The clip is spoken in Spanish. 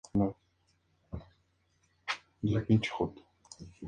Avalle-Arce, Juan Bautista, ed.